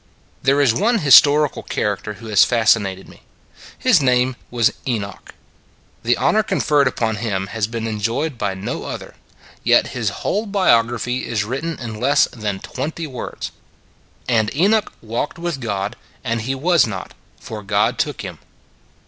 There is one historical character who has fascinated me. His name was Enoch : the honor conferred upon him has been en joyed by no other; yet his whole biography is written in less than twenty words. " And Enoch walked with God: and he was not: for God took him."